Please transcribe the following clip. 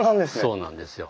そうなんですよ。